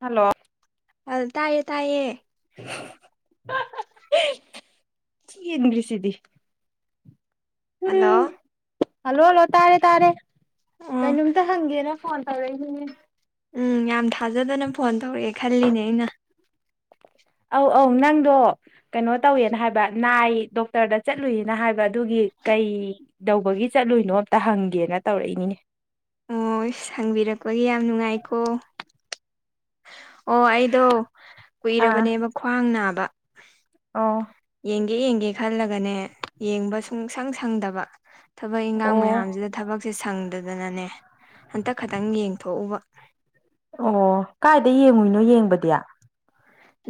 hello ꯑꯥ ꯇꯥꯏꯌꯦ ꯇꯥꯏꯌꯦ [unintelligible] ꯊꯤ ꯍꯦꯟꯒꯔꯦ ꯁꯤꯗꯤ ꯎꯝ ꯍꯜꯂꯣ [inaudible] ꯍꯜꯂꯣ ꯍꯜꯂꯣ ꯇꯥꯔꯦ ꯇꯥꯔꯦ ꯎꯝ ꯀꯩꯅꯣꯝꯇ ꯍꯪꯒꯦꯅ ꯐꯣꯟ ꯇꯧꯔꯛꯏꯅꯤꯅꯦ ꯎꯝ ꯌꯥꯝ ꯊꯥꯖꯗꯅ ꯐꯣꯟ ꯇꯧꯔꯛꯑꯦ ꯈꯜꯂꯤꯅꯦ ꯑꯩꯅ ꯑꯧ ꯑꯧ ꯅꯪꯗꯣ ꯀꯩꯅꯣ ꯇꯧꯋꯦꯅ ꯍꯥꯏꯕ ꯅꯥꯏ ꯗꯣꯛꯇꯔꯗ ꯆꯠꯂꯨꯏꯅ ꯍꯥꯏꯕ ꯑꯗꯨꯒꯤ ꯀꯩ ꯀꯩꯇꯧꯕꯒꯤ ꯆꯠꯂꯨꯏꯅꯣ ꯑꯝꯇ ꯍꯪꯒꯦꯅ ꯇꯧꯔꯛꯏꯅꯤ ꯑꯣ ꯍꯪꯕꯤꯔꯛꯄꯒꯤ ꯌꯥꯝ ꯅꯨꯡꯉꯥꯏꯀꯣ ꯑꯣ ꯑꯩꯗꯣ ꯑꯥ ꯀꯨꯏꯔꯕꯅꯦꯕ ꯈ꯭ꯋꯥꯡ ꯅꯥꯕ ꯑꯣ ꯌꯦꯡꯒꯦ ꯌꯦꯡꯒꯦ ꯈꯜꯂꯒꯅꯦ ꯌꯦꯡꯕ ꯁꯨꯡꯁꯪ ꯁꯪꯗꯕ ꯊꯕꯛ ꯏꯟꯈꯥꯡ ꯑꯣ ꯃꯌꯥꯝꯁꯤꯗ ꯊꯕꯛꯁꯦ ꯁꯪꯗꯗꯅꯅꯦ ꯍꯟꯇꯛ ꯈꯛꯇꯪ ꯌꯦꯡꯊꯣꯛꯎꯕ ꯑꯣ ꯀꯥꯏꯗ ꯌꯦꯡꯉꯨꯏꯅꯣ ꯌꯦꯡꯕꯗꯤ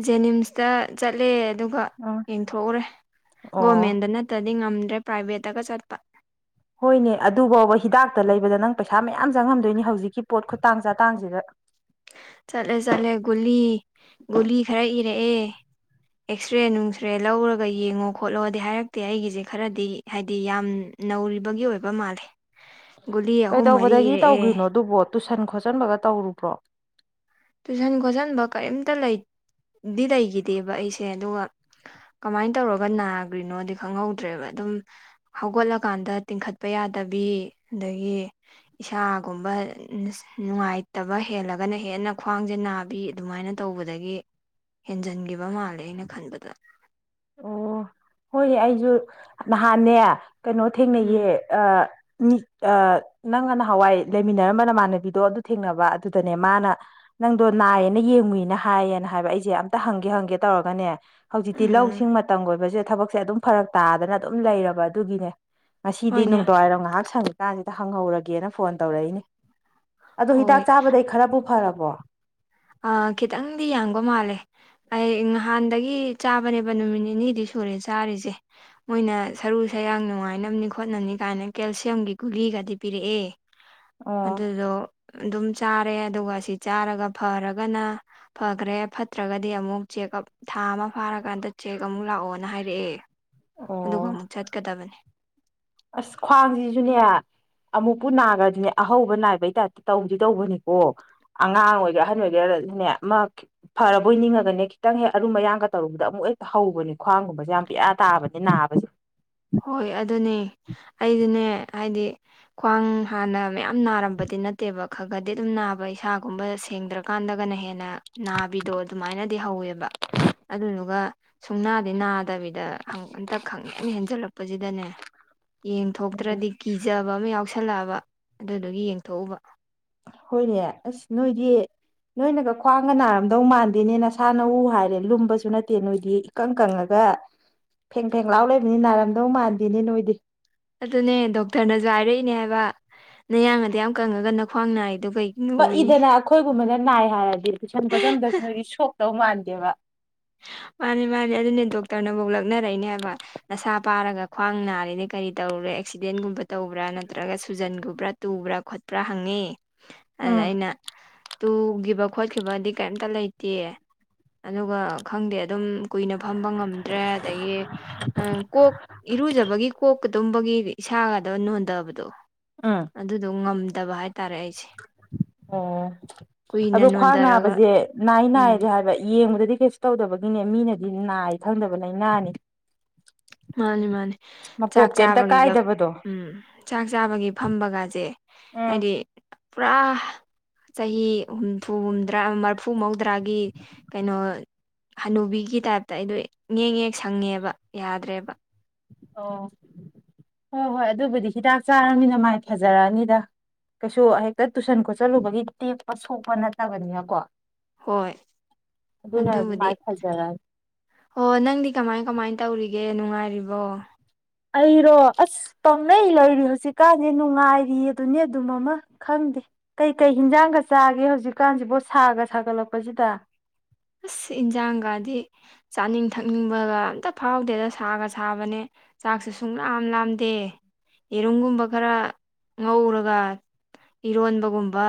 ꯖꯦꯅꯤꯝꯁꯇ ꯆꯠꯂꯦ ꯑꯗꯨꯒ ꯌꯦꯡꯊꯣꯛꯎꯔꯦ ꯑꯣ ꯒꯣꯔꯃꯦꯟꯗꯅ ꯅꯠꯇꯔꯥꯗꯤ ꯉꯝꯗ꯭ꯔꯦ ꯄ꯭ꯔꯥꯏꯚꯦꯠꯇꯒ ꯆꯠ ꯍꯣꯏꯅꯦ ꯑꯗꯨꯐꯥꯎꯕ ꯍꯤꯗꯥꯛꯇ ꯂꯩꯕꯗ ꯅꯪ ꯄꯩꯁꯥ ꯃꯌꯥꯝ ꯆꯪꯉꯝꯗꯣꯏꯅꯤ ꯍꯧꯖꯤꯛꯀꯤ ꯄꯣꯠ ꯈꯨꯇꯥꯡ ꯆꯥꯇꯥꯡꯁꯤꯗ ꯆꯠꯂꯦ ꯆꯠꯂꯦ ꯒꯨꯂꯤ ꯒꯨꯂꯤ ꯈꯔ ꯏꯔꯛꯑꯦ ꯑꯦꯛꯁꯔꯦ ꯅꯨꯡꯁꯔꯦ ꯂꯧꯔꯒ ꯌꯦꯡꯉꯣ ꯈꯣꯠꯂꯣꯗꯤ ꯍꯥꯏꯔꯛꯇꯦ ꯑꯩꯒꯤꯁꯦ ꯈꯔꯗꯤ ꯍꯥꯏꯗꯤ ꯌꯥꯝ ꯅꯧꯔꯤꯕꯒꯤ ꯑꯣꯏꯕ ꯃꯥꯜꯂꯦ ꯒꯨꯂꯤ ꯑꯍꯨꯝ ꯃꯔꯤ ꯀꯩꯗꯧꯕꯗꯒꯤ ꯏꯔꯛꯑꯦ ꯇꯧꯈ꯭ꯔꯤꯅꯣ ꯑꯗꯨꯕꯣ ꯇꯨꯁꯟ ꯈꯣꯠꯆꯟꯕꯒ ꯇꯧꯔꯨꯕ꯭ꯔꯣ ꯇꯨꯏꯁꯟ ꯈꯣꯠꯆꯟꯕ ꯀꯔꯤꯝꯇ ꯂꯩ ꯗꯤ ꯂꯩꯈꯤꯗꯦꯕ ꯑꯩꯁꯦ ꯑꯗꯨꯒ ꯀꯃꯥꯏ ꯇꯧꯔꯒ ꯅꯥꯈ꯭ꯔꯤꯅꯣꯗꯤ ꯈꯪꯍꯧꯗ꯭ꯔꯦꯕ ꯑꯗꯨꯝ ꯍꯧꯒꯠꯂꯀꯥꯟꯗ ꯇꯤꯡꯈꯠꯄ ꯌꯥꯗꯕꯤ ꯑꯗꯒꯤ ꯏꯁꯥꯒꯨꯝꯕ ꯅꯨꯡꯉꯥꯏꯇꯕ ꯍꯦꯜꯂꯒꯅ ꯍꯦꯟꯅ ꯈ꯭ꯋꯥꯡꯁꯦ ꯅꯥꯕꯤ ꯑꯗꯨꯃꯥꯏꯅ ꯇꯧꯕꯗꯒꯤ ꯍꯦꯟꯖꯟꯈꯤꯕ ꯃꯥꯜꯂꯦ ꯑꯩꯅ ꯈꯟꯕꯗ ꯑꯣ ꯍꯣꯏꯅꯦ ꯑꯩꯁꯨ ꯅꯍꯥꯟꯅꯦ ꯀꯩꯅꯣ ꯊꯦꯡꯅꯩꯌꯦ ꯎꯝ ꯃꯤ [unintelligible] ꯅꯪꯒ ꯅꯍꯥꯟꯋꯥꯏ ꯂꯩꯃꯤꯟꯅꯔꯝꯕ ꯅꯃꯥꯟꯅꯕꯤꯗꯣ ꯑꯗꯨ ꯊꯦꯡꯅꯕ ꯑꯗꯨꯗꯅꯦ ꯃꯥꯅ ꯅꯪꯗꯣ ꯅꯥꯏꯌꯦꯅ ꯌꯦꯡꯉꯨꯏꯅ ꯍꯥꯏꯌꯦꯅ ꯍꯥꯏꯕ ꯑꯩꯁꯦ ꯑꯝꯇ ꯍꯪꯒꯦ ꯍꯪꯒꯦ ꯇꯧꯔꯒꯅꯦ ꯍꯧꯖꯤꯛꯇꯤ ꯎꯝ ꯂꯧꯁꯤꯡ ꯃꯇꯝꯒꯤ ꯑꯣꯏꯕꯁꯦ ꯊꯕꯛꯁꯦ ꯑꯗꯨꯝ ꯐꯔꯛ ꯇꯥꯗꯅ ꯑꯗꯨꯝ ꯂꯩꯔꯕ ꯑꯗꯨꯒꯤꯅꯦ ꯉꯁꯤꯗꯤ ꯍꯣꯏꯅꯦ ꯅꯨꯡꯗꯥꯡꯋꯥꯏꯔꯝ ꯉꯥꯏꯍꯥꯛ ꯁꯪꯉꯤꯀꯥꯟꯁꯤꯗ ꯍꯪꯍꯧꯔꯒꯦꯅ ꯐꯣꯟ ꯇꯧꯔꯛꯏꯅꯦ ꯑꯗꯣ ꯍꯤꯗꯥꯛ ꯍꯣꯏ ꯆꯥꯕꯗꯩ ꯈꯔꯕꯨ ꯐꯔꯕꯣ ꯑ ꯈꯤꯇꯪꯗꯤ ꯌꯥꯡꯕ ꯃꯥꯜꯂꯦ ꯑꯩ ꯅꯍꯥꯟꯗꯒꯤ ꯆꯥꯕꯅꯦꯕ ꯅꯨꯃꯤꯠ ꯅꯤꯅꯤꯗꯤ ꯁꯨꯔꯦ ꯆꯥꯔꯤꯁꯦ ꯃꯣꯏꯅ ꯁꯔꯨ ꯁꯌꯥꯡ ꯅꯨꯡꯉꯥꯏꯅꯕꯅꯤ ꯈꯣꯠꯅꯕꯅꯤ ꯀꯥꯏꯅ ꯀꯦꯜꯁꯤꯌꯝꯒꯤ ꯒꯨꯂꯤꯒꯗꯤ ꯄꯤꯔꯛꯑꯦ ꯑꯣ ꯑꯗꯨꯗꯣ ꯑꯗꯨꯝ ꯆꯥꯔꯦ ꯑꯗꯨꯒ ꯑꯁꯤ ꯆꯥꯔꯒ ꯐꯔꯒꯅ ꯐꯈ꯭ꯔꯦ ꯐꯠꯇ꯭ꯔꯒꯗꯤ ꯑꯃꯨꯛ ꯆꯦꯛꯑꯞ ꯊꯥ ꯑꯃ ꯐꯥꯔꯀꯥꯟꯗ ꯆꯦꯛ ꯑꯃꯨꯛ ꯂꯥꯛꯑꯣꯅ ꯍꯥꯏꯔꯛꯑꯦ ꯑꯗꯨꯒ ꯑꯣ ꯑꯃꯨꯛ ꯆꯠꯀꯗꯕꯅꯦ ꯑꯁ ꯈ꯭ꯋꯥꯡꯁꯤꯁꯨꯅꯦ ꯑꯃꯨꯛꯄꯨ ꯅꯥꯈ꯭ꯔꯗꯤꯅꯦ ꯑꯍꯧꯕ ꯅꯥꯏꯕꯩ ꯇꯥꯏꯞꯇ ꯇꯧꯗꯤ ꯇꯧꯕꯅꯤꯀꯣ ꯑꯉꯥꯡ ꯑꯣꯏꯒꯦꯔ ꯑꯍꯟ ꯑꯣꯏꯒꯦꯔꯅꯦ ꯑꯃ ꯐꯔꯕꯣꯏ ꯅꯤꯡꯉꯒꯅꯦ ꯈꯤꯇꯪ ꯍꯦꯛ ꯑꯔꯨꯝ ꯑꯌꯥꯡꯒ ꯇꯧꯔꯨꯕꯗ ꯑꯃꯨꯛ ꯍꯦꯛꯛꯇ ꯍꯧꯕꯅꯤ ꯈ꯭ꯋꯥꯡꯒꯨꯝꯕꯁꯦ ꯌꯥꯝ ꯄꯤꯌꯥ ꯇꯥꯕꯅꯦ ꯅꯥꯕꯁꯦ ꯍꯣꯏ ꯑꯗꯨꯅꯦ ꯑꯩꯖꯨꯅꯦ ꯍꯥꯏꯗꯤ ꯈ꯭ꯋꯥꯡ ꯍꯥꯟꯅ ꯃꯌꯥꯝ ꯅꯥꯔꯝꯕꯗꯤ ꯅꯠꯇꯦꯕ ꯈ ꯈꯗꯤ ꯑꯗꯨꯝ ꯅꯥꯕ ꯏꯁꯥꯒꯨꯝꯕ ꯁꯦꯡꯗ꯭ꯔ ꯀꯥꯟꯗꯒꯅ ꯍꯦꯟꯅ ꯅꯥꯕꯤꯗꯣ ꯑꯗꯨꯃꯥꯏꯅꯗꯤ ꯍꯧꯋꯦꯕ ꯑꯗꯨꯗꯨꯒ ꯁꯨꯡꯅꯥꯗꯤ ꯅꯥꯗꯕꯤꯗ ꯈ ꯎꯝ ꯐꯕ ꯑꯃ ꯌꯥꯎꯁꯜꯂꯛꯑꯕ ꯑꯗꯨꯗꯨꯒꯤ ꯌꯦꯡꯊꯣꯛꯎꯕ ꯍꯣꯏꯅꯦ ꯑꯁ ꯅꯣꯏꯗꯤ ꯅꯣꯏꯅꯒ ꯈ꯭ꯋꯥꯡꯒ ꯅꯥꯔꯝꯗꯧ ꯃꯥꯟꯗꯦꯅꯦ ꯅꯁꯥꯅ ꯎ ꯍꯥꯏꯔꯦ ꯂꯨꯝꯕꯁꯨ ꯅꯠꯇꯦ ꯅꯣꯏꯗꯤ ꯀꯪ ꯀꯪꯉꯒ ꯐꯦꯡ ꯐꯦꯡ ꯂꯥꯎ ꯂꯩꯕꯅꯤ ꯅꯥꯔꯝꯗꯧ ꯃꯥꯟꯗꯦꯅꯤ ꯅꯣꯏꯗꯤ ꯑꯗꯨꯅꯦ ꯗꯣꯛꯇꯔꯅꯁꯨ ꯍꯥꯏꯔꯛꯏꯅꯦ ꯍꯥꯏꯕ ꯅꯌꯥꯡꯅꯗꯤ ꯌꯥꯝ ꯀꯪꯉꯒꯅ ꯈ꯭ꯋꯥꯡ ꯅꯥꯏꯗꯨ ꯀꯩ ꯄꯛꯏꯗꯅ ꯑꯩꯈꯣꯏꯒꯨꯝꯕꯅ ꯅꯥꯏ ꯍꯥꯏꯔꯗꯤ ꯀꯨꯁꯝ ꯀꯣꯠꯁꯝꯗꯁꯨ ꯅꯗꯤ ꯁꯣꯛꯇꯧ ꯃꯥꯟꯗꯦꯕ ꯃꯥꯅꯦ ꯃꯥꯅꯦ ꯑꯗꯨꯅꯦ ꯗꯣꯛꯇꯔꯅꯐꯧ ꯂꯛꯅꯔꯛꯏꯅꯦ ꯍꯥꯏꯕ ꯅꯁꯥ ꯄꯥꯔꯒ ꯈ꯭ꯋꯥꯡ ꯅꯥꯔꯤꯅꯦ ꯀꯔꯤ ꯇꯧꯔꯨꯔꯦ ꯑꯦꯛꯁꯤꯗꯦꯟꯒꯨꯝꯕ ꯇꯧꯕ꯭ꯔꯥ ꯅꯠꯇ꯭ꯔꯒ ꯁꯨꯖꯟꯒꯨꯝꯕ꯭ꯔꯥ ꯇꯨꯕ꯭ꯔꯥ ꯈꯣꯠꯄ꯭ꯔꯥ ꯍꯪꯉꯤ ꯑꯗꯨꯗ ꯎꯝ ꯑꯩꯅ ꯇꯨꯈꯤꯕ ꯈꯣꯠꯈꯤꯕꯗꯤ ꯀꯩꯝꯇ ꯂꯩꯇꯦ ꯑꯗꯨꯒ ꯈꯪꯗꯦ ꯑꯗꯨꯝ ꯀꯨꯏꯅ ꯐꯝꯕ ꯉꯝꯗ꯭ꯔꯦ ꯑꯗꯒꯤ ꯎ ꯀꯣꯛ ꯏꯔꯨꯖꯕꯒꯤ ꯀꯣꯛꯀ ꯑꯗꯨꯝꯕꯒꯤꯗꯤ ꯏꯁꯥꯒꯗꯕ ꯅꯣꯟꯗꯕꯗꯣ ꯑꯥ ꯑꯗꯨꯗꯣ ꯉꯝꯗꯕ ꯍꯥꯏꯇꯥꯔꯦ ꯑꯩ ꯑꯣ ꯀꯨꯏꯅ ꯑꯗꯣ ꯈ꯭ꯋꯥꯡ ꯅꯣꯟꯊꯔꯒ ꯅꯥꯕꯁꯦ ꯅꯥꯏ ꯎꯝ ꯅꯥꯏꯗꯦ ꯍꯥꯏꯕ ꯌꯦꯡꯕꯗꯗꯤ ꯀꯩ ꯇꯧꯗꯕꯒꯤꯅꯦ ꯃꯤꯅꯗꯤ ꯅꯥꯏ ꯈꯪꯗꯕ ꯂꯥꯏꯅꯥꯅꯤ ꯃꯥꯅꯤ ꯃꯥꯅꯤ ꯃꯄꯣꯞ ꯆꯥꯛ ꯀꯩꯝꯇ ꯆꯥꯕꯒꯤꯒ ꯀꯥꯏꯗꯕꯗꯣ ꯎꯝ ꯆꯥꯛ ꯆꯥꯕꯒꯤ ꯐꯝꯕꯒꯁꯦ ꯎꯝ ꯍꯥꯏꯗꯤ ꯄꯨꯔꯥ ꯆꯍꯤ ꯍꯨꯝꯐꯨ ꯍꯨꯝꯗ꯭ꯔꯥ ꯃꯔꯐꯨ ꯃꯧꯗ꯭ꯔꯥꯒꯤ ꯀꯩꯅꯣ ꯍꯅꯨꯕꯤꯒꯤ ꯇꯥꯏꯞꯇ ꯑꯩꯗꯣ ꯌꯦꯡ ꯌꯦꯛ ꯁꯪꯉꯦꯕ ꯌꯥꯗ꯭ꯔꯦꯕ ꯑꯣ ꯍꯣꯏ ꯍꯣꯏ ꯑꯗꯨꯕꯨꯗꯤ ꯍꯤꯗꯥꯛ ꯆꯥꯔꯅꯤꯅ ꯃꯥꯏ ꯐꯖꯔꯛꯑꯅꯤꯗ ꯀꯩꯁꯨ ꯍꯦꯛꯇ ꯇꯨꯏꯁꯟ ꯈꯣꯠꯆꯜꯂꯨꯕꯒꯤ ꯇꯦꯛꯄ ꯁꯣꯛꯄ ꯅꯠꯇꯕꯅꯤꯅ ꯀꯣ ꯍꯣꯏ ꯑꯗꯨ ꯑꯗꯨꯅ ꯑꯗꯨꯕꯨꯗꯤ ꯃꯥꯏ ꯍꯜꯗꯔ ꯑꯣ ꯅꯪꯗꯤ ꯀꯃꯥꯏ ꯀꯃꯥꯏ ꯇꯧꯔꯤꯒꯦ ꯅꯨꯡꯉꯥꯏꯔꯤꯕꯣ ꯑꯩꯔꯣ ꯑꯁ ꯄꯥꯎꯅꯩ ꯂꯩꯔꯤ ꯍꯧꯖꯤꯛꯀꯥꯟꯗꯤ ꯅꯨꯡꯉꯥꯏꯔꯤ ꯑꯗꯨꯅꯤ ꯑꯗꯨꯝ ꯑꯃ ꯈꯪꯗꯦ ꯀꯩꯀꯩ ꯍꯤꯟꯖꯥꯡꯒ ꯆꯥꯒꯦ ꯍꯧꯖꯤꯛꯀꯥꯟꯁꯤꯕꯣ ꯁꯥꯒ ꯁꯥꯒꯠꯂꯛꯄꯁꯤꯗ ꯑꯁ ꯏꯟꯖꯥꯡꯒꯗꯤ ꯆꯥꯅꯤꯡ ꯊꯛꯅꯤꯡꯕꯒ ꯑꯝꯇ ꯐꯥꯎꯗꯦꯗ ꯁꯥꯒ ꯁꯥꯕꯅꯦ ꯆꯥꯛꯁꯦ ꯁꯨꯡꯂꯝ ꯂꯥꯝꯗꯦ ꯌꯦꯔꯨꯝꯒꯨꯝꯕ ꯈꯔ ꯉꯧꯔꯒ ꯏꯔꯣꯟꯕꯒꯨꯝꯕ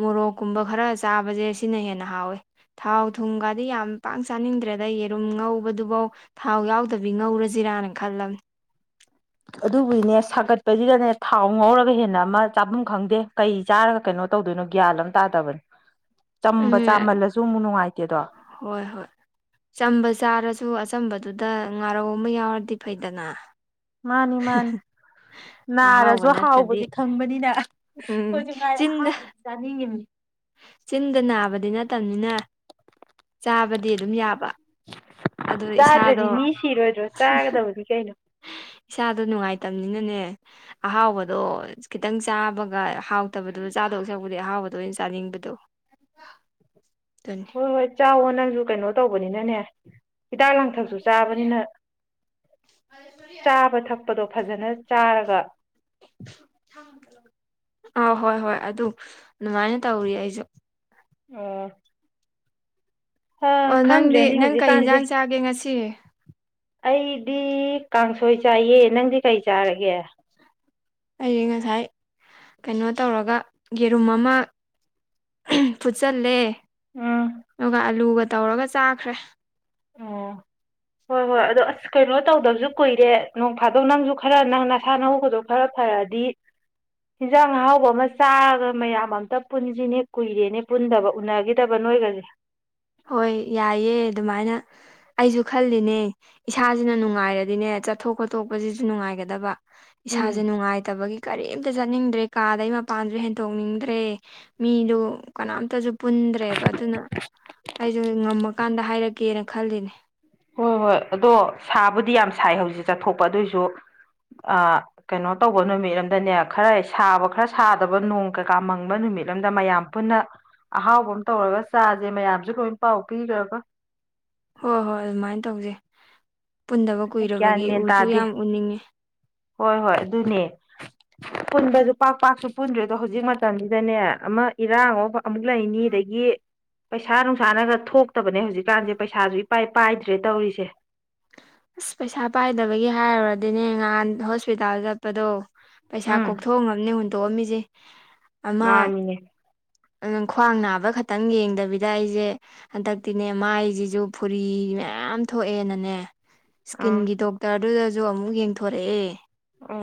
ꯃꯣꯔꯣꯛꯀꯨꯝꯕ ꯈꯔ ꯆꯥꯕꯁꯦ ꯁꯤꯅ ꯍꯦꯟꯅ ꯍꯥꯎꯋꯦ ꯊꯥꯎ ꯊꯨꯝꯒꯗꯤ ꯌꯥꯝ ꯄꯥꯛ ꯆꯥꯅꯤꯡꯗ꯭ꯔꯦꯗ ꯌꯦꯔꯨꯝ ꯉꯧꯕꯗꯨꯐꯧ ꯊꯥꯎ ꯌꯥꯎꯗꯕꯤ ꯉꯧꯔꯁꯤꯔꯥꯅ ꯈꯜꯂꯝꯅꯤ ꯑꯗꯨꯕꯨꯒꯤꯅꯦ ꯁꯥꯒꯠꯄꯁꯤꯗꯅꯦ ꯊꯥꯎ ꯉꯧꯔꯒ ꯍꯦꯟꯅ ꯑꯃ ꯆꯥꯐꯝ ꯈꯪꯗꯦ ꯀꯩ ꯆꯥꯔꯒ ꯀꯩꯅꯣ ꯇꯧꯗꯣꯏꯅꯣ ꯒ꯭ꯌꯥꯟ ꯑꯃ ꯇꯥꯗꯕꯅꯤ ꯆꯝꯕ ꯎꯝ ꯆꯥꯃꯜꯂꯁꯨ ꯑꯃꯨꯛ ꯅꯨꯡꯉꯥꯏꯇꯦꯗꯣ ꯍꯣꯏ ꯍꯣꯏ ꯆꯝꯕ ꯆꯥꯔꯁꯨ ꯑꯆꯝꯕꯗꯨꯗ ꯉꯥꯔꯧ ꯑꯃ ꯌꯥꯎꯔꯗꯤ ꯐꯩꯗꯅ ꯃꯥꯅꯤ ꯃꯥꯅꯤ ꯑꯍꯥꯎꯕ ꯅꯥꯔꯁꯨ ꯅꯠꯇꯗꯤ ꯍꯥꯎꯕꯗꯤ ꯈꯪꯕꯅꯤꯅ ꯎꯝ ꯑꯩꯈꯣꯏꯁꯨ ꯉꯥꯏꯔꯦ ꯆꯤꯟꯗ ꯑꯍꯥꯎꯕꯗꯤ ꯆꯅꯤꯡꯉꯅꯤ ꯆꯤꯟꯗ ꯅꯥꯕꯗꯤ ꯅꯠꯇꯕꯅꯤꯅ ꯆꯥꯕꯗꯤ ꯑꯗꯨꯝ ꯌꯥꯕ ꯑꯗꯣ ꯆꯥꯗ꯭ꯔꯗꯤ ꯏꯁꯥꯗꯣ ꯃꯤ ꯁꯤꯔꯣꯏꯗ꯭ꯔꯣ ꯆꯥꯒꯗꯕꯗꯤ ꯀꯩꯅꯣ ꯏꯁꯥꯗꯣ ꯅꯨꯡꯉꯥꯏꯇꯕꯅꯤꯅꯅꯦ ꯑꯍꯥꯎꯕꯗꯣ ꯈꯤꯇꯪ ꯆꯥꯕꯒ ꯍꯥꯎꯇꯕꯗꯨ ꯆꯥꯗꯣꯛ ꯁꯧꯕꯗꯤ ꯑꯍꯥꯎꯕꯗꯣ ꯑꯣꯏꯅ ꯆꯥꯅꯤꯡꯕꯗꯣ [unintelligible] ꯊ ꯍꯣꯏ ꯍꯣꯏ ꯆꯥꯎꯥꯛꯋꯣ ꯅꯪꯁꯨ ꯀꯩꯅꯣ ꯇꯧꯕꯅꯤꯅꯅꯦ ꯍꯤꯗꯥꯛ ꯂꯥꯡꯊꯛꯁꯨ ꯆꯥꯕꯅꯤꯅ ꯆꯥꯕ ꯊꯛꯄ ꯑꯄꯗꯣ ꯐꯖꯅ ꯆꯥꯔꯒ ꯑ ꯍꯣꯏ ꯍꯣꯏ ꯑꯗꯨ ꯑꯗꯨꯃꯥꯏꯅ ꯇꯧꯔꯤ ꯑꯩꯁꯨ ꯑꯣ ꯑꯣ ꯅꯪꯗꯤ ꯈꯪꯗ꯭ꯔꯦꯅꯦ ꯅꯪ ꯀꯩ ꯍꯧꯖꯤꯛꯀꯥꯟꯁꯦ ꯌꯦꯟꯖꯥꯡ ꯆꯥꯒꯦ ꯉꯁꯤ ꯑꯩꯗꯤ ꯀꯥꯡꯁꯣꯏ ꯆꯥꯏꯌꯦ ꯅꯪꯗꯤ ꯀꯩ ꯆꯥꯔꯒꯦ ꯑꯩꯁ ꯉꯁꯥꯏ ꯀꯩꯅꯣ ꯇꯧꯔꯒ ꯌꯦꯔꯨꯝ ꯑꯃ ꯐꯨꯠꯆꯜꯂꯦ ꯎꯝ ꯑꯗꯨꯒ ꯑꯂꯨꯒ ꯇꯧꯔꯒ ꯆꯥꯈ꯭ꯔꯦ ꯑꯣ ꯍꯣꯏ ꯍꯣꯏ ꯑꯗꯣ ꯑꯁ ꯀꯩꯅꯣ ꯇꯧꯗꯕꯁꯨ ꯀꯨꯏꯔꯦ ꯅꯣꯡ ꯐꯥꯗꯧ ꯅꯪꯁꯨ ꯈꯔ ꯅꯪ ꯅꯁꯥꯅ ꯍꯒꯗ ꯐꯔ ꯐꯔꯛꯑꯗꯤ ꯌꯦꯟꯖꯥꯡ ꯑꯍꯥꯎꯕ ꯑꯃ ꯆꯥꯔꯒ ꯃꯌꯥꯝ ꯑꯃꯝꯇ ꯄꯨꯟꯁꯤꯅꯦ ꯀꯨꯏꯔꯦꯅꯦ ꯄꯨꯟꯗꯕ ꯎꯅꯒꯦ ꯇꯕ ꯅꯣꯏꯒꯖꯦ ꯍꯣꯏ ꯌꯥꯏꯑꯦ ꯑꯗꯨꯃꯥꯏꯅ ꯑꯩꯖꯨ ꯈꯜꯂꯤꯅꯦ ꯏꯁꯥꯖꯤꯅ ꯅꯨꯡꯉꯥꯏꯔꯗꯤꯅꯦ ꯆꯠꯊꯣꯛ ꯈꯣꯠꯇꯣꯛꯄꯖꯤꯖꯨ ꯅꯨꯡꯉꯥꯏꯒꯗꯕ ꯎꯝ ꯏꯁꯥꯖꯦ ꯅꯨꯡꯉꯥꯏꯇꯕꯒꯤ ꯀꯔꯤꯝꯇ ꯆꯠꯅꯤꯡꯗ꯭ꯔꯦ ꯀꯥꯗꯩ ꯃꯄꯥꯟꯖꯨ ꯍꯦꯟꯇꯣꯛꯅꯤꯡꯗ꯭ꯔꯦ ꯃꯤꯗꯨ ꯀꯅꯥꯝꯇꯖꯨ ꯄꯨꯟꯗ꯭ꯔꯦꯕ ꯑꯗꯨꯅ ꯑꯩꯁꯨ ꯉꯝꯃꯀꯥꯟꯗ ꯍꯥꯏꯔꯛꯀꯦꯅ ꯈꯜꯂꯤꯅꯦ ꯍꯣꯏ ꯍꯣꯏ ꯑꯗꯣ ꯁꯥꯕꯨꯗꯤ ꯌꯥꯝ ꯁꯥꯏ ꯍꯧꯖꯤꯛ ꯆꯠꯊꯣꯛꯄ ꯑꯗꯨꯏꯁꯨ ꯑꯥ ꯀꯩꯅꯣ ꯇꯧꯕ ꯅꯨꯃꯤꯠ ꯑꯝꯗꯅꯦ ꯈꯔ ꯍꯦꯛ ꯁꯥꯕ ꯈꯔ ꯁꯥꯗꯕ ꯅꯣꯡ ꯀꯩꯀꯥ ꯃꯪꯕ ꯅꯨꯃꯤꯠ ꯑꯝꯗ ꯃꯌꯥꯝ ꯄꯨꯟꯅ ꯑꯍꯥꯎꯕ ꯑꯃ ꯇꯧꯔꯒ ꯆꯥꯁꯦ ꯃꯌꯥꯝꯁꯨ ꯂꯣꯏꯅ ꯄꯥꯎ ꯄꯤꯈ꯭ꯔꯒ ꯍꯣꯏ ꯍꯣꯏ ꯑꯗꯨꯃꯥꯏꯅ ꯇꯧꯖꯦ ꯄꯨꯟꯗꯕ ꯒ꯭ꯌꯥꯟ ꯀꯨꯏꯔꯕꯒꯤ ꯃꯦꯟ ꯎꯁꯨ ꯇꯥꯗꯦ ꯌꯥꯝ ꯎꯅꯤꯡꯉꯦ ꯍꯣꯏ ꯍꯣꯏ ꯑꯗꯨꯅꯦ ꯄꯨꯟꯕꯖꯨ ꯄꯥꯛ ꯄꯥꯛꯁꯨ ꯄꯨꯟꯗ꯭ꯔꯦꯗꯣ ꯍꯧꯖꯤꯛ ꯃꯇꯝꯁꯤꯗꯅꯦ ꯑꯃ ꯏꯔꯥꯡ ꯋꯣ ꯑꯃ ꯑꯃꯨꯛ ꯂꯩꯅꯤ ꯑꯗꯒꯤ ꯄꯩꯁꯥ ꯅꯨꯡꯁꯥꯅꯒ ꯊꯣꯛꯇꯕꯅꯦ ꯍꯧꯖꯤꯛꯀꯥꯟꯁꯦ ꯄꯩꯁꯥꯁꯨ ꯏꯄꯥꯏ ꯄꯥꯏꯗ꯭ꯔꯦ ꯇꯧꯔꯤꯁꯦ ꯑꯁ ꯄꯩꯁꯥ ꯄꯥꯏꯗꯕꯒꯤ ꯍꯥꯏꯔꯨꯔꯗꯤꯅꯦ ꯉꯍꯥꯟ ꯍꯣꯁꯄꯤꯇꯥꯜ ꯆꯠ ꯄꯗꯣ ꯄꯩꯁꯥ ꯎꯝ ꯀꯣꯛꯊꯣꯡꯑꯝꯅꯦ ꯍꯨꯟꯇꯣꯛꯑꯝꯃꯤꯁꯦ ꯑꯃ ꯃꯥꯅꯤꯅꯦ ꯑꯗꯨꯝ ꯈ꯭ꯋꯥꯡ ꯅꯥꯕ ꯈꯛꯇꯪ ꯌꯦꯡꯗꯕꯤꯗ ꯑꯩꯖꯦ ꯍꯟꯗꯛꯇꯤꯅꯦ ꯃꯥꯏꯖꯤꯖꯨ ꯐꯨꯔꯤ ꯃꯌꯥꯝ ꯊꯣꯛꯑꯦꯅꯅꯦ ꯑꯥ ꯏꯁꯀꯤꯟꯒꯤ ꯗꯣꯛꯇꯔꯗꯨꯗꯁꯨ ꯑꯃꯨꯛ ꯌꯦꯡꯊꯣꯔꯛꯑꯦ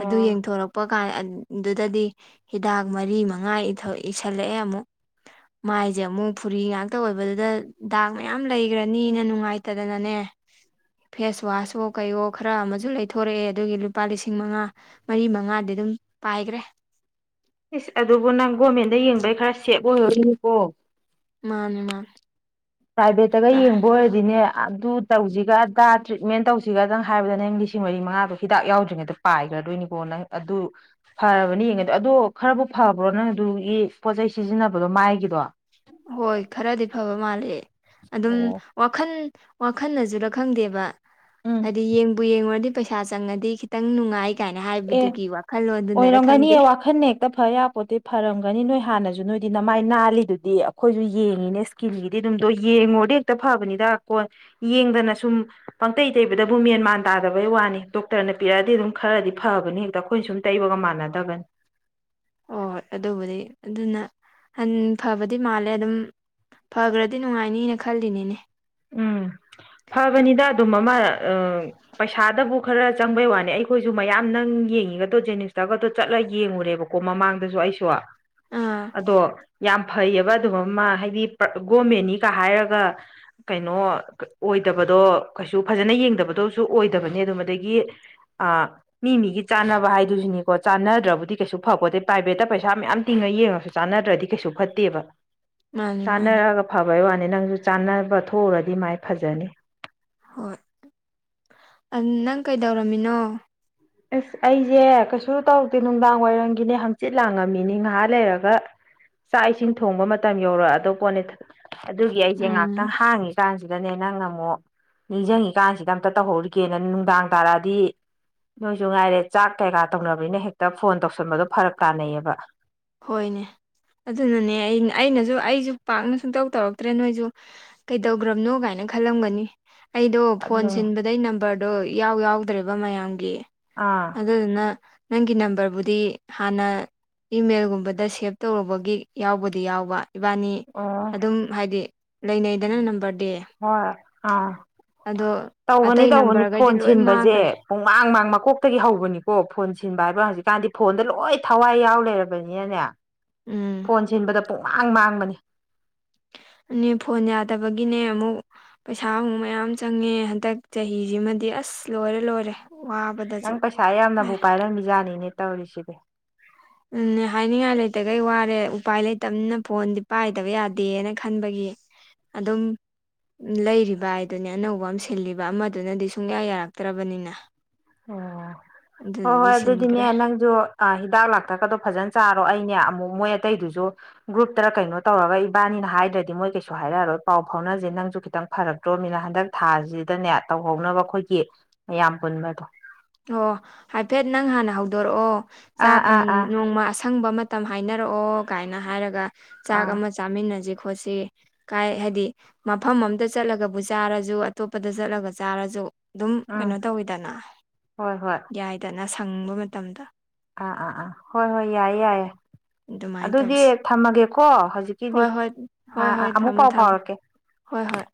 ꯑꯗꯨ ꯌꯦꯡꯊꯣꯔꯛ ꯄ ꯀꯥꯟ ꯑꯗꯨꯗꯗꯤ ꯍꯤꯗꯥꯛ ꯃꯔꯤ ꯃꯉꯥ ꯏꯊꯣ ꯏꯁꯤꯜꯂꯛꯑꯦ ꯑꯃꯨꯛ ꯃꯥꯏꯖꯦ ꯑꯃꯨꯛ ꯐꯨꯔꯤ ꯉꯥꯛꯇ ꯑꯣꯏꯕꯗꯨꯗ ꯗꯥꯛ ꯃꯌꯥꯝ ꯂꯩꯒ꯭ꯔꯅꯤꯅ ꯅꯨꯡꯉꯥꯏꯇꯗꯅꯅꯦ ꯐꯦꯁ ꯋꯥꯁꯋꯣ ꯀꯩꯋꯣ ꯈꯔ ꯑꯃꯁꯨ ꯂꯩꯊꯣꯔꯛꯑꯦ ꯑꯗꯨꯒꯤ ꯂꯨꯄꯥ ꯂꯤꯁꯤꯡ ꯃꯉꯥ ꯃꯔꯤ ꯃꯉꯥꯗꯤ ꯑꯗꯨꯝ ꯄꯥꯏꯒ꯭ꯔꯦ ꯏꯁ ꯑꯗꯨꯕꯨ ꯅꯪ ꯒꯣꯔꯃꯦꯟꯗ ꯌꯦꯡꯕꯩ ꯈꯔ ꯁꯦꯞ ꯑꯣꯏꯍꯧꯔꯤꯅꯤꯀꯣ ꯃꯥꯅꯦ ꯃꯥ ꯄ꯭ꯔꯥꯏꯚꯦꯠꯇꯒ ꯌꯦꯡꯕ ꯑꯣꯏꯔꯗꯤꯅꯦ ꯑꯗꯨ ꯇꯧꯁꯤꯒ ꯑꯗꯥ ꯇ꯭ꯔꯤꯠꯃꯦꯟ ꯇꯧꯁꯤꯒꯗꯪ ꯍꯥꯏꯕꯗ ꯅꯪ ꯂꯤꯁꯤꯡ ꯃꯔꯤ ꯃꯉꯥꯗꯣ ꯍꯤꯗꯥꯛ ꯌꯥꯎꯗ꯭ꯔꯤꯉꯩꯗ ꯄꯥꯏꯈ꯭ꯔꯗꯣꯏꯅꯤꯀꯣ ꯅꯪ ꯑꯗꯨ ꯐꯔꯕꯅꯦ ꯌꯦꯡꯉꯩꯗꯣ ꯑꯗꯣ ꯈꯔꯕꯨ ꯐꯕ꯭ꯔꯣ ꯅꯪ ꯑꯗꯨꯒꯤ ꯄꯣꯠꯆꯩ ꯁꯤꯖꯤꯟꯅꯕꯗꯣ ꯃꯥꯏꯒꯤꯗꯣ ꯍꯣꯏ ꯈꯔꯗꯤ ꯐꯕ ꯃꯥꯜꯂꯦ ꯑꯗꯨꯝ ꯑꯣ ꯋꯥꯈꯜ ꯋꯥꯈꯜꯅꯖꯨꯔ ꯈꯪꯗꯦꯕ ꯎꯝ ꯍꯥꯏꯗꯤ ꯌꯦꯡꯕꯨ ꯌꯦꯡꯉꯨꯔꯗꯤ ꯄꯩꯁꯥ ꯆꯪꯉꯗꯤ ꯈꯤꯇꯪ ꯅꯨꯡꯉꯥꯏ ꯀꯥꯏꯅ ꯑꯦ ꯍꯥꯏꯕꯗꯨꯒꯤ ꯋꯥꯈꯜꯂꯣꯟꯗꯨꯅꯔ ꯈꯪꯗꯦ ꯇ ꯐ ꯌꯥꯄꯣꯠꯇꯤ ꯐꯔꯝꯒꯅꯤ ꯅꯣꯏ ꯍꯥꯟꯅꯁꯨ ꯅꯣꯏꯗꯤ ꯅꯃꯥꯏ ꯅꯥꯜꯂꯤꯗꯨꯗꯤ ꯑꯩꯈꯣꯏꯁꯨ ꯌꯦꯡꯉꯤꯅꯦ ꯏꯁ ꯀꯤꯟꯒꯤꯗꯤ ꯑꯗꯨꯝꯗꯣ ꯌꯦꯡꯉꯨꯔꯗꯤ ꯍꯦꯛꯇ ꯐꯕꯅꯤꯗ ꯀꯣ ꯌꯦꯡꯗꯅ ꯁꯨꯝ ꯄꯪꯇꯩꯩ ꯇꯩꯕꯗꯕꯨ ꯃꯦꯟꯃꯥꯟ ꯇꯥꯗꯕꯩ ꯋꯥꯅꯤ ꯗꯣꯛꯇꯔꯅ ꯄꯤꯔꯛꯑꯗꯤ ꯑꯗꯨꯝ ꯈꯔꯗꯤ ꯐꯕꯅꯦ ꯍꯦꯛꯇ ꯑꯩꯈꯣꯏꯅ ꯁꯨꯝ ꯇꯩꯕꯒ ꯃꯥꯟꯅꯗꯕꯅꯤ ꯑꯣ ꯍꯣꯏ ꯑꯗꯨꯕꯨꯗꯤ ꯑꯗꯨꯅ ꯍꯟ ꯐꯕꯗꯤ ꯃꯥꯜꯂꯦ ꯑꯗꯨꯝ ꯐꯈ꯭ꯔꯗꯤ ꯅꯨꯡꯉꯥꯏꯅꯤꯅ ꯈꯜꯂꯤꯅꯤꯅꯦ ꯎꯝ ꯐꯕꯅꯤꯗ ꯑꯗꯨꯝ ꯑꯃꯔ ꯑ ꯄꯩꯁꯥꯗꯕꯨ ꯈꯔ ꯆꯪꯕꯩ ꯋꯥꯅꯤ ꯑꯩꯈꯣꯏꯁꯨ ꯃꯌꯥꯝ ꯅꯪ ꯌꯦꯡꯉꯤꯒꯗꯣ ꯖꯦꯅꯤꯁꯇꯒꯗꯣ ꯆꯠꯂꯒ ꯌꯦꯡꯉꯨꯔꯦꯕ ꯀꯣ ꯃꯃꯥꯡꯗꯁꯨ ꯑꯩꯁꯨ ꯑꯥ ꯑꯗꯣ ꯌꯥꯝ ꯐꯩꯑꯕ ꯑꯗꯨꯝ ꯑꯃ ꯍꯥꯏꯗꯤ ꯒꯣꯔꯃꯦꯟꯅꯤꯒ ꯍꯥꯏꯔꯒ ꯀꯩꯅꯣ ꯀ ꯑꯣꯏꯗꯕꯗꯣ ꯀꯩꯁꯨ ꯐꯖꯅ ꯌꯦꯡꯗꯕꯗꯣꯁꯨ ꯑꯣꯏꯗꯕꯅꯤ ꯑꯗꯨꯝ ꯑꯗꯒꯤ ꯑꯥ ꯃꯤ ꯃꯤꯒꯤ ꯆꯥꯟꯅꯕ ꯍꯥꯏꯗꯨꯁꯨꯅꯤꯀꯣ ꯆꯥꯟꯅꯗ꯭ꯔꯕꯨꯗꯤ ꯀꯩꯁꯨ ꯐꯄꯣꯇꯦ ꯄ꯭ꯔꯥꯏꯚꯦꯠꯇ ꯄꯩꯁꯥ ꯃꯌꯥꯝ ꯇꯤꯡꯉ ꯌꯦꯡꯉꯁꯨ ꯆꯥꯟꯅꯗ꯭ꯔꯗꯤ ꯀꯩꯁꯨ ꯐꯠꯇꯦꯕ ꯃꯥꯅꯤ ꯃꯥꯅꯤ ꯆꯥꯅꯔꯒ ꯐꯕꯩ ꯋꯥꯅꯤ ꯅꯪꯖꯨ ꯆꯥꯅꯕ ꯊꯣꯛꯎꯔꯗꯤ ꯃꯥꯏ ꯐꯖꯅꯤ ꯍꯣꯏ ꯑ ꯅꯪ ꯀꯩꯗꯧꯔꯝꯃꯤꯅꯣ ꯑꯁ ꯑꯩꯖꯦ ꯀꯩꯁꯨ ꯇꯧꯗꯦ ꯅꯨꯡꯗꯥꯡ ꯋꯥꯏꯔꯝꯒꯤꯅꯦ ꯍꯪꯆꯤꯠ ꯂꯥꯡꯉꯝꯃꯤꯅꯤ ꯉꯥꯍꯥꯛ ꯂꯩꯔꯒ ꯆꯥꯛ ꯏꯁꯤꯡ ꯊꯣꯡꯕ ꯃꯇꯝ ꯌꯧꯔꯛꯑꯗꯧ ꯄꯣꯠꯅꯤꯗ ꯑꯗꯨꯒꯤ ꯑꯩꯖꯦ ꯉꯥꯛꯇꯪ ꯎꯝ ꯍꯥꯡꯉꯤ ꯀꯥꯟ ꯑꯗꯨꯗꯅꯦ ꯅꯪꯅ ꯑꯃꯨꯛ ꯅꯤꯡꯖꯡꯉꯤꯀꯥꯟꯁꯤꯗ ꯑꯝꯇ ꯇꯧꯍꯧꯔꯤꯒꯦꯅ ꯅꯨꯡꯗꯥꯡ ꯇꯥꯔꯛꯑꯗꯤ ꯅꯣꯏꯖꯨ ꯉꯥꯏꯔꯦ ꯆꯥꯛ ꯀꯩꯀꯥ ꯇꯧꯅꯕꯅꯤꯅ ꯍꯦꯛꯇ ꯐꯣꯟ ꯇꯧꯁꯟꯕꯗꯣ ꯐꯔꯛ ꯇꯥꯅꯩꯌꯦꯕ ꯍꯣꯏꯅꯦunintelligible ꯑꯗꯨꯅꯅꯦ ꯑꯩ ꯑꯩꯅꯖꯨ ꯑꯩꯖꯨ ꯄꯥꯛꯅ ꯁꯨꯡꯇꯧ ꯇꯧꯔꯛꯇ꯭ꯔꯦ ꯅꯣꯏꯖꯨ---unintelligible ꯀꯩꯗꯧꯒ꯭ꯔꯝꯅꯣ ꯀꯥꯏꯅ ꯈꯜꯂꯝꯒꯅꯤ ꯑꯩꯗꯣ ꯐꯣꯟ ꯑꯗꯨꯅꯤ ꯁꯤꯟꯕꯗꯩ ꯅꯝꯕꯔꯗꯣ ꯏꯌꯥꯎ ꯌꯥꯎꯗ꯭ꯔꯦꯕ ꯃꯌꯥꯝꯒꯤ ꯑꯥ ꯑꯗꯨꯗꯨꯅ unintelligibleꯅꯪꯒꯤ ꯅꯝꯕꯔꯕꯨꯗꯤ ꯍꯥꯟꯅ ꯏꯃꯦꯜꯒꯨꯝꯕꯗ ꯁꯦꯞ ꯇꯧꯔꯨꯕꯒꯤ ꯌꯥꯎꯕꯨꯗꯤ ꯌꯥꯎꯕ ꯏꯕꯥꯅꯤ ꯑꯣ ꯑꯗꯨꯝ--unintelligible ꯍꯥꯏꯗꯤunintelligibleꯂꯩꯅꯩꯗꯅ ꯅꯝꯕꯔꯗꯤ ꯑꯗꯣ ꯍꯣꯏunintelligibleꯑꯥunintelligible ꯇꯧꯕꯅꯤ ꯑꯇꯩ ꯇꯧꯕꯅꯤ ꯅꯝꯕꯔꯈꯩꯗꯤ ꯐꯣꯟ ꯂꯣꯏ ꯁꯤꯟꯕꯖꯦ ꯃꯥꯡꯈ꯭ꯔꯦ ꯄꯨꯡꯃꯥꯡ ꯃꯥꯡ ꯃꯀꯣꯛꯇꯒꯤ ꯍꯧꯕꯅꯤꯀꯣ ꯐꯣꯟ ꯁꯤꯟꯕ ꯍꯥꯏꯕ ꯍꯧꯖꯤꯛꯀꯥꯟꯗꯤ ꯐꯣꯟꯗ ꯂꯣꯏ ꯊꯋꯥꯏ ꯌꯥꯎ ꯂꯩꯔꯕꯅꯤꯅꯅꯦ ꯎꯝ ꯐꯣꯟ ꯁꯤꯟꯕꯗ ꯄꯨꯡꯃꯥꯡ ꯃꯥꯡꯕꯅꯤ ꯑꯅꯦ ꯐꯣꯟ ꯌꯥꯗꯕꯒꯤꯅꯦ ꯑꯃꯨꯛ--unintelligible ꯄꯩꯁꯥ ꯑꯃꯨꯛ ꯃꯌꯥꯝ ꯆꯪꯉꯦ ꯍꯟꯗꯛ ꯆꯍꯤꯖꯤ ꯃꯗꯤ ꯑꯁ ꯂꯣꯏꯔꯦ ꯂꯣꯏꯔꯦ ꯋꯥꯕ---unintelligible ꯅꯪ ꯄꯩꯁꯥ ꯌꯥꯝꯅꯕꯨ ꯄꯥꯏꯔꯝꯃꯤꯖꯥꯠꯅꯤꯅꯦ ꯇꯧꯔꯤꯁꯤꯗꯤ ꯎꯝꯅꯦ ꯍꯥꯏꯅꯤꯡꯉꯥꯏ ꯂꯩꯇꯒꯩ ꯋꯥꯔꯦ ꯎꯄꯥꯏ ꯂꯩꯇꯕꯅꯤꯅ ꯐꯣꯟꯗꯤ ꯄꯥꯏꯗꯕ ꯌꯥꯗꯦꯅ ꯈꯟꯕꯒꯤ ꯑꯗꯨꯝ---unintelligible ꯎꯝ ꯂꯩꯔꯤꯕ ꯍꯥꯏꯗꯨꯅꯦ ꯑꯅꯧꯕ ꯑꯃ ꯁꯤꯜꯂꯤꯕ ꯑꯃꯗꯨꯅꯗꯤ ꯁꯨꯡꯌꯥ ꯌꯥꯔꯛꯇ꯭ꯔꯕꯅꯤꯅ ꯑꯣ... ꯍꯣꯏ ꯍꯣꯏ ꯑꯗꯨꯗꯨꯒꯤ ꯑꯗꯨꯗꯤꯅꯦ ꯁꯤꯟꯈ꯭ꯔꯦ ꯅꯪꯖꯨ---unintelligible ꯑ ꯍꯤꯗꯥꯛ ꯂꯥꯛꯊꯛꯀꯗꯣ ꯐꯖꯅ ꯆꯥꯔꯣ ꯑꯩꯅꯦ ꯑꯃꯨꯛ ꯃꯣꯏ ꯑꯇꯩꯗꯨꯖꯨ--unintelligible ꯒ꯭ꯔꯨꯞꯇꯥꯔ ꯀꯩꯅꯣ ꯇꯧꯔꯒ ꯏꯕꯥꯅꯤꯅ ꯍꯥꯏꯗ꯭ꯔꯗꯤ ꯃꯣꯏ ꯀꯩꯁꯨ ꯍꯥꯏꯔꯛꯑꯔꯣꯏ ꯄꯥꯎ ꯐꯥꯎꯅꯖꯦ ꯅꯪꯁꯨ ꯈꯤꯇꯪ ꯐꯔꯛ---unintelligible ꯔꯣꯃꯤꯂꯥ ꯍꯟꯗꯛ ꯊꯥ ꯖꯤꯗꯅꯦ ꯇꯧꯍꯧꯅꯕ ꯑꯩꯈꯣꯏꯒꯤunitelligibleꯃꯌꯥꯝ ꯄꯨꯟꯕꯗꯣ ꯑꯣ ꯍꯥꯏꯐꯦꯠ ꯅꯪ ꯍꯥꯟꯅ ꯍꯧꯗꯣꯔꯛꯑꯣ ꯑꯥ ꯆꯥꯛ ꯎꯝ ꯑꯥ ꯑꯥ ꯅꯣꯡꯃ ꯑꯁꯪꯕ ꯃ----unintelligible unintelligibleꯇꯝ ꯍꯥꯏꯅꯔꯛꯑꯣ ꯀꯥꯏꯅ ꯍꯥꯏꯔꯒ ꯆꯥꯛ ꯑꯥ ꯑꯃ ꯆꯥꯃꯤꯟꯅꯖꯤ ꯈꯣꯠꯁꯤ ꯀꯥꯏ ꯍꯥꯏꯗꯤ ꯃꯐꯝ ꯑꯝꯗ ꯆꯠꯂꯒꯕꯨ ꯆꯥꯔꯖꯨ ꯑꯇꯣꯞꯄꯗ ꯆꯠꯂꯒ ꯆꯥꯔꯖꯨ ꯑꯗꯨꯝ ꯎꯝ ꯀꯩꯅꯣ ꯇꯧꯋꯤꯗꯅunintelligible ꯍꯣꯏ ꯍꯣꯏ ꯌꯥꯏꯗꯅ ꯁꯪꯕ ꯃꯇꯝꯗ ꯑꯥ ꯑꯥ ꯑꯥ ꯍꯣꯏ ꯍꯣꯏ ꯌꯥꯏꯌꯦ ꯌꯥꯏꯌꯦ ꯑꯗꯨꯃꯥꯏꯅ ꯑꯗꯨꯗꯤ ꯇꯧꯁꯤ ꯊꯝꯃꯒꯦꯀꯣ ꯍꯧꯖꯤꯛꯀꯤꯗꯤ ꯍꯣꯏ ꯍꯣꯏ ꯑ ꯍꯣꯏ ꯑ ꯍꯣꯏ ꯑꯃꯨꯛ ꯊꯝꯃꯣ ꯄꯥꯎ ꯊꯝꯃꯣ ꯐꯥꯎꯔꯛꯀꯦ ꯍꯣꯏ ꯍꯣꯏ